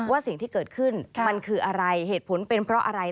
สิ่งที่เกิดขึ้นมันคืออะไรเหตุผลเป็นเพราะอะไร